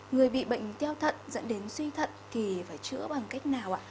người bị bệnh tiêu thận dẫn đến suy thận thì phải chữa bằng cách nào ạ